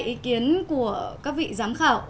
ý kiến của các vị giám khảo